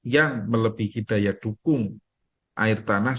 yang melebihi daya dukung air tanah